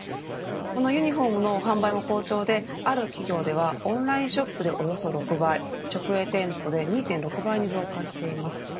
このユニホームの販売も好調である企業ではオンラインショップでおよそ６倍直営店舗で２．６倍に増加しています。